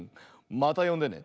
またよんでね。